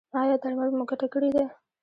ایا درمل مو ګټه کړې ده؟